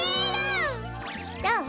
どう？